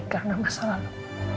karena masalah lo